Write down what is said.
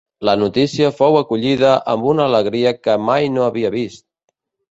La notícia fou acollida amb una alegria que mai no havia vist.